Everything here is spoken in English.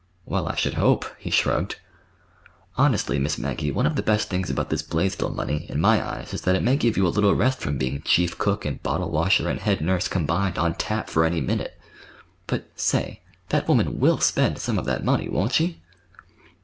"Well, I should hope!" he shrugged. "Honestly, Miss Maggie, one of the best things about this Blaisdell money, in my eyes, is that it may give you a little rest from being chief cook and bottle washer and head nurse combined, on tap for any minute. But, say, that woman will spend some of that money, won't she?"